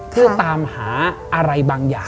เพื่อตามหาอะไรบางอย่าง